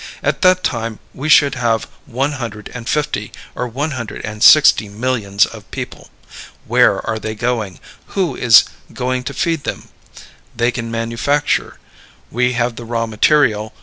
At that time we should have one hundred and fifty or one hundred and sixty millions of people. Where are they going? Who is going to feed them? They can manufacture. We have the raw material.